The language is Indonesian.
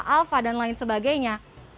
alpha dan lain sebagainya